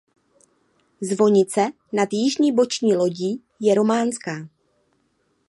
Zvonice nad jižní boční lodí je románská.